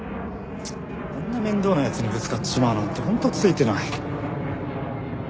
あんな面倒な奴にぶつかっちまうなんて本当ついてない。